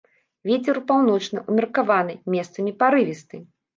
Вецер паўночны ўмеркаваны, месцамі парывісты.